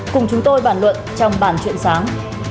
cùng chúng tôi bàn luận trong bàn chuyện sáng